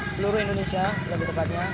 seluruh indonesia lebih tepatnya